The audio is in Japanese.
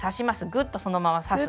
ぐっとそのまま刺す。